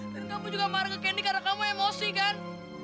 dan kamu juga marah ke candy karena kamu emosi kan